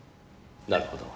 なるほど。